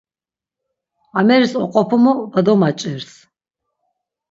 Ameris oqopumu va domaç̌irs.